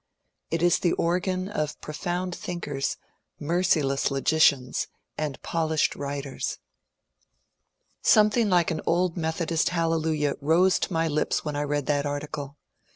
It is the organ of profound thinkers, merciless logicians, and polished writers. Something like an old Methodist hallelujah rose to my lips when I read that article.